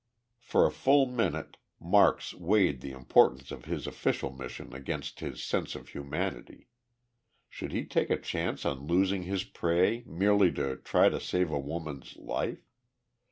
For a full minute Marks weighed the importance of his official mission against his sense of humanity. Should he take a chance on losing his prey merely to try to save a woman's life?